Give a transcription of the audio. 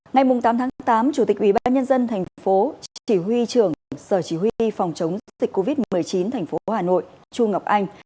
ngày tám tháng tám chủ tịch ubnd tp hcm sở chỉ huy phòng chống dịch covid một mươi chín tp hcm chu ngọc anh